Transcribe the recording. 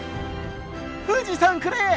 富士山くれ！